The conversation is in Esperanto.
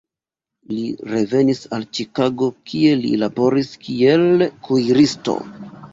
Li revenis al Ĉikago, kie laboris kiel kuiristo.